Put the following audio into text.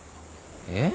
えっ。